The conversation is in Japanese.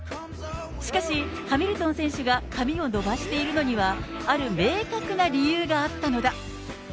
しかし、ハミルトン選手が髪を伸ばしているのにはある明確な理由があったのだ。